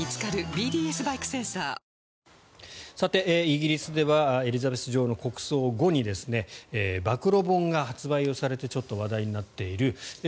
イギリスではエリザベス女王の国葬後に暴露本が発売されてちょっと話題になっている。